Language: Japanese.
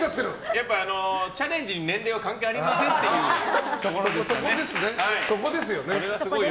やっぱりチャレンジに年齢は関係ありませんですよね、そこですよね。